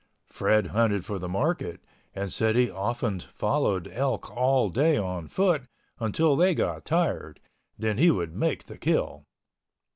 Fred hunted for the market and said he often followed elk all day on foot until they got tired, then he would make the kill.